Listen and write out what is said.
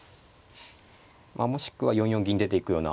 まあもしくは４四銀出ていくような姿勢とか。